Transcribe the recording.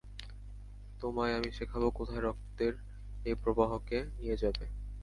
তোমায় আমি শেখাব কোথায় রক্তের এই প্রবাহকে নিয়ে যাবে।